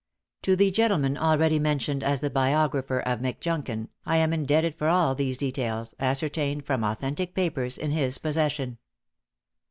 To the gentleman already mentioned as the biographer of Mcjunkin, I am indebted for all these details, ascertained from authentic papers in his possession.